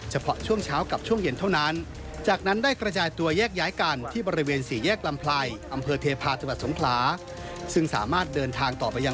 และหากเป็นไปตามแทน